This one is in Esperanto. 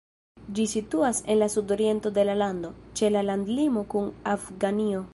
Ĝi situas en la sudoriento de la lando, ĉe la landlimo kun Afganio.